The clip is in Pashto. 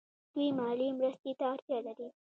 دوی مالي مرستې ته اړتیا لري.